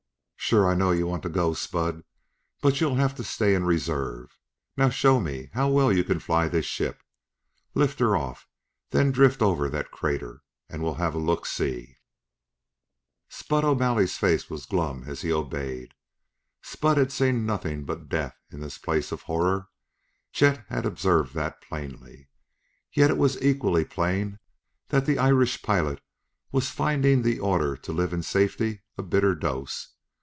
"Sure, I know you want to go. Spud; but you'll have to stay in reserve. Now show me how well you can fly the ship. Lift her off; then drift over that crater, and we'll have a look see!" Spud O'Malley's face was glum as he obeyed. Spud had seen nothing but death in this place of horror Chet had observed that plainly yet it was equally plain that the Irish pilot was finding the order to live in safety a bitter dose.